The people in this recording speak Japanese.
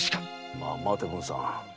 まあ待て文さん。